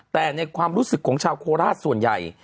แต่ในความรู้สึกของชาวโคราชส่วนใหญ่